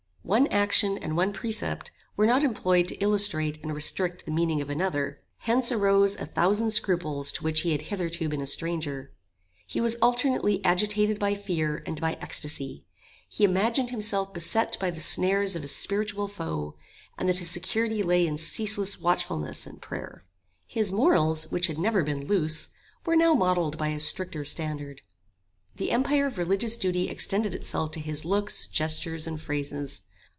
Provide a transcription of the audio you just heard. One action and one precept were not employed to illustrate and restrict the meaning of another. Hence arose a thousand scruples to which he had hitherto been a stranger. He was alternately agitated by fear and by ecstacy. He imagined himself beset by the snares of a spiritual foe, and that his security lay in ceaseless watchfulness and prayer. His morals, which had never been loose, were now modelled by a stricter standard. The empire of religious duty extended itself to his looks, gestures, and phrases.